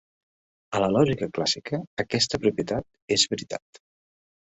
A la lògica clàssica, aquesta propietat és "veritat".